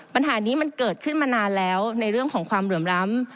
ปัญหานี้มันเกิดขึ้นมานานแล้วในเรื่องของความเหลื่อมล้ำ